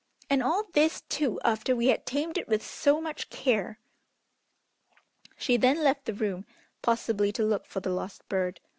And all this, too, after we had tamed it with so much care." She then left the room, possibly to look for the lost bird.